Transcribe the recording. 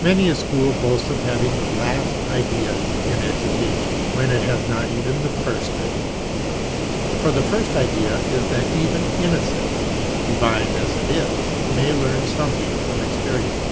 Many a school boasts of having the last ideas in education, when it has not even the first idea; for the first idea is that even innocence, divine as it is, may learn something from experience.